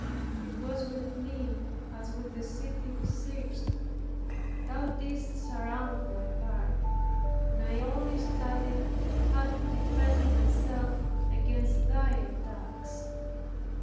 It was with me as with a city besieged, Thou didst surround my heart, and I only studied how to defend myself against thy attacks.